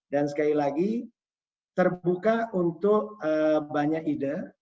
dan sekali lagi terbuka untuk banyak ide